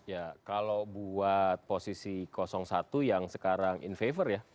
ya kalau buat posisi satu yang sekarang in favor ya